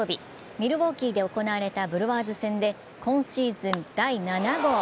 ミルウォーキーで行われたブルワーズ戦で今シーズン第７号。